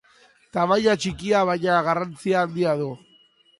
Tamaina txikia baina garrantzia handia du.